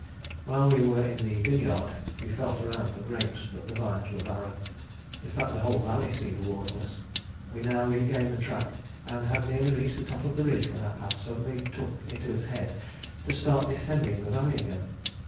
While we were in the vineyard we felt around for grapes, but the vines were barren; in fact the whole valley seemed waterless. We now regained the track and had nearly reached the top of the ridge when our path suddenly took into its head to start descending the valley again.